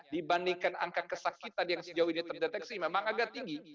dibandingkan angka kesakitan yang sejauh ini terdeteksi memang agak tinggi